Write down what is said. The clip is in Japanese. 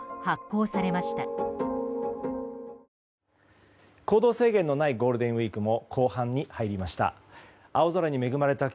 行動制限のないゴールデンウィークも後半に入りました。